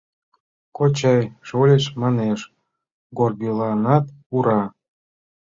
— Кочай, шольыч манеш: «Горбиланат — ура!»